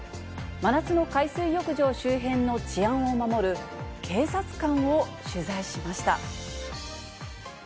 真夏の海水浴場周辺の治安を守る警察官を取材しました。